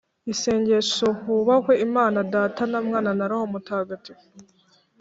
isengesho hubahwe imana data na mwana na roho mutagatifu